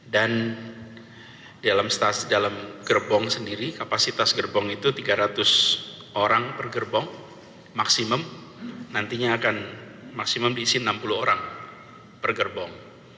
dan dalam gerbong sendiri kapasitas gerbong itu tiga ratus orang per gerbong maksimum nantinya akan maksimum diisiin enam puluh orang per gerbong